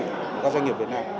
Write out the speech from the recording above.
của các doanh nghiệp việt nam